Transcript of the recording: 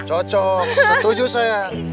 cocok setuju sayang